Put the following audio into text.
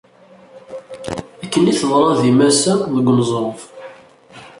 Akken i teḍra di Masa, deg uneẓruf.